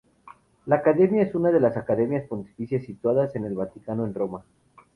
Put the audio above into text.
La academia es una de las Academias Pontificias situadas en el Vaticano, en Roma.